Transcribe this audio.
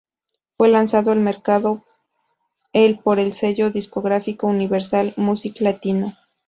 Fue lanzado al mercado el por el sello discográfico Universal Music Latino.